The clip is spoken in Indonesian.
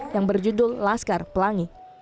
yang berjudul laskar pelangi